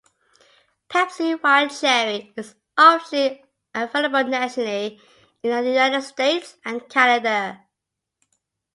Pepsi Wild Cherry is officially available nationally in the United States and Canada.